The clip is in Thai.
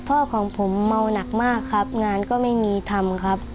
พ่อของผมเมาหนักมากครับงานก็ไม่มีทำครับ